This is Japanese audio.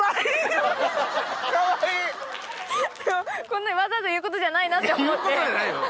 こんなのわざわざ言うことじゃないなって思って。